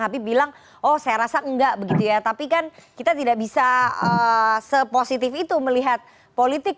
habib bilang oh saya rasa enggak begitu ya tapi kan kita tidak bisa se positive itu melihat politik